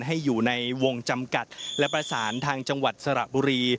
ให้อยู่ในวงจำกัดและประสานทางจังหวัดสระบุรี